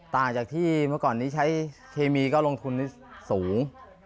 ต่างจากที่เมื่อก่อนนี้ใช้เคมีก็ลงทุนสูง